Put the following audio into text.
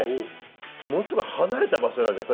ものすごい離れた場所なんじゃない？